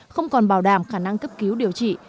không còn bảo đảm khả năng cấp cứu điều trị